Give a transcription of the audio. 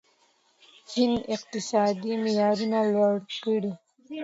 چین اقتصادي معیارونه لوړ کړي.